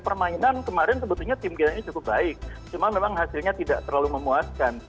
permainan kemarin sebetulnya tim kita ini cukup baik cuma memang hasilnya tidak terlalu memuaskan